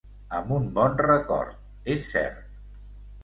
Amb un bon record, és cert.